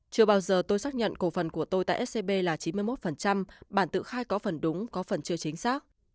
chưa bao giờ tôi xác nhận cổ phần của tôi tại scb là chín mươi một bản tự khai có phần đúng có phần chưa chính xác